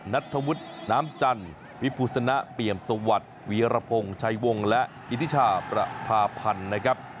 นัทธวุฒิน้ำจันทร์วิภูสนะเปี่ยมสวัสดิ์วีรพงศ์ชัยวงศ์และอิทธิชาประพาพันธ์นะครับ